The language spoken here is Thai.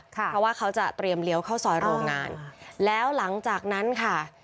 เพราะว่าเขาจะเตรียมเลี้ยวเข้าซอยโรงงานแล้วหลังจากนั้นค่ะ